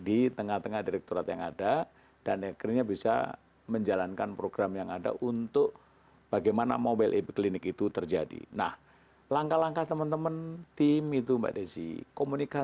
ingat yang paling member able itu di mana